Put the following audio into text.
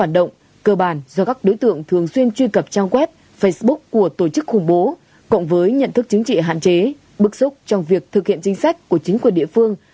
hoạt động do các đối tượng thường xuyên truy cập trang web facebook của tổ chức khủng bố cộng với nhận thức chính trị hạn chế bức xúc trong việc thực hiện chính sách của chính quyền địa phương